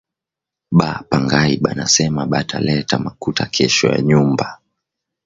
Ba pangayi banasema bata leta makuta kesho ya nyumba